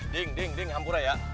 ding ding ding hampir aja